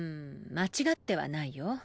間違ってはないよ。